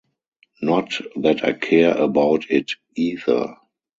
Not that I care about it either.